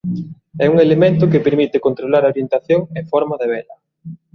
É un elemento que permite controlar a orientación e forma da vela.